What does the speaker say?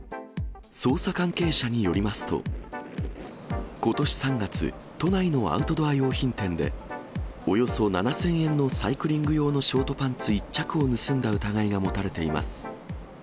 捜査関係者によりますと、ことし３月、都内のアウトドア用品店で、およそ７０００円のサイクリング用のショートパンツ１着を盗んだ疑いが持たれています。